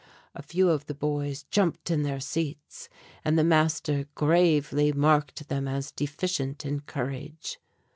A few of the boys jumped in their seats, and the master gravely marked them as deficient in courage.